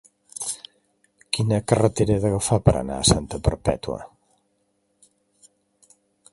Quina carretera he d'agafar per anar a Santa Perpètua?